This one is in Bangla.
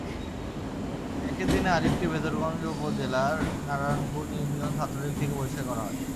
একই দিন আরিফকে ভেদরগঞ্জ উপজেলার নারায়ণপুর ইউনিয়ন ছাত্রলীগ থেকে বহিষ্কার করা হয়।